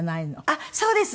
あっそうです。